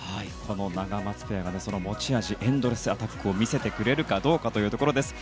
ナガマツペアが持ち味のエンドレスアタックを見せてくれるかどうかというところです。